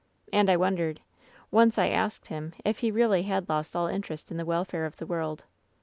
"And I wondered. Once I asked him if he really had lost all interest in the welfare of the world.